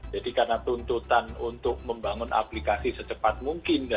jadi karena tuntutan untuk membangun aplikasi secepat mungkin